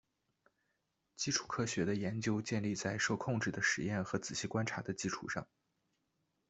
基础科学的研究建立在受控制的实验和仔细观察的基础上。